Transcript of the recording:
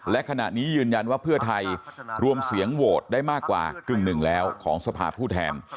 และขณะนี้ยืนยันว่าเพื่อไทยรวมเสียงโหวตได้มากกว่ากึ่งหนึ่งแล้วของสภาพผู้แทน